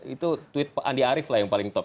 itu tweet andi arief lah yang paling top